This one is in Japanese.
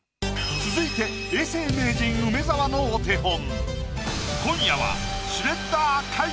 続いて永世名人梅沢のお手本。